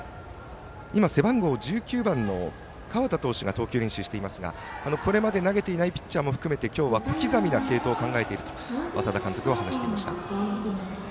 背番号１９番の川田投手が投球練習していますがこれまで投げていないピッチャーを含めて今日は小刻みな継投を考えていると稙田監督は話していました。